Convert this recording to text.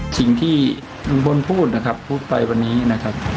สิ่งที่ลุงพลพูดนะครับพูดไปวันนี้นะครับ